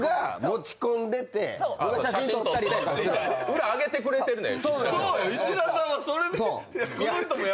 裏あげてくれてるのよ。